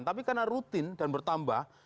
tapi karena rutin dan bertambah